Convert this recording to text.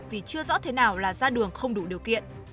vì chưa rõ thế nào là ra đường không đủ điều kiện